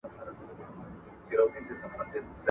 له تشبیهاتو ګټه واخلئ، مهمې کلمې تکرار کړئ.